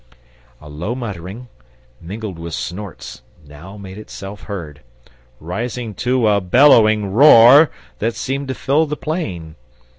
A low muttering, mingled with snorts, now made itself heard; rising to a bellowing roar that seemed to fill the plain.